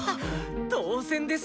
当然です！